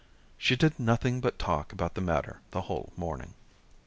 She did nothing but talk about the matter the whole morning.